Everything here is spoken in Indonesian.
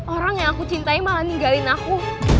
orang yang aku cintai malah ninggalin aku